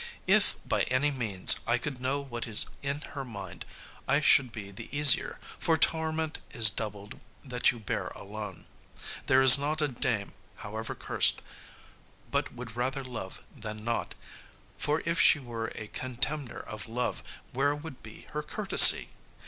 If by any means I could know what is in her mind, I should be the easier, for torment is doubled that you bear alone. There is not a dame, however curst, but would rather love than not; for if she were a contemner of love where would be her courtesy?